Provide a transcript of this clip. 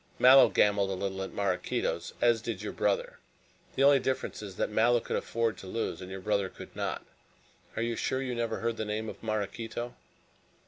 "Mallow gambled a little at Maraquito's, as did your brother. The only difference is that Mallow could afford to lose and your brother could not. Are you sure you never heard the name of Maraquito?"